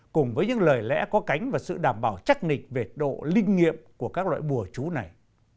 cùng với những lời lẽ có cánh và sự đảm bảo chắc nịch về độ linh nghiệm của các loại bùa chú này